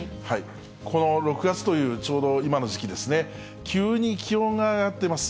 この６月という、ちょうど今の時期ですね、急に気温が上がっています。